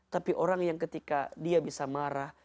tapi orang yang ketika dia bisa marah